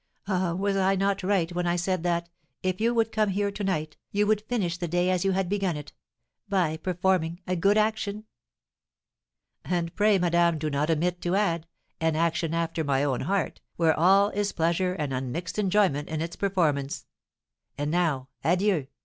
Ah, was I not right when I said that, if you would come here to night, you would finish the day as you had begun it, by performing a good action?" "And pray, madame, do not omit to add, an action after my own heart, where all is pleasure and unmixed enjoyment in its performance. And now, adieu!"